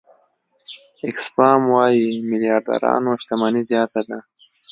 آکسفام وايي میلیاردرانو شتمني زیاته ده.